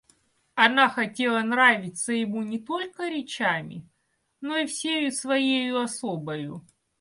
Она хотела нравиться ему не только речами, но и всею своею особою.